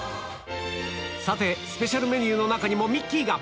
さてスペシャルメニューの中にもミッキーが！